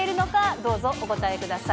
どうぞ、お答えください。